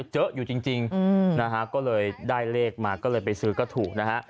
เยอะอยู่จริงนะฮะก็เลยได้เลขมาก็เลยไปซื้อก็ถูกนะฮะ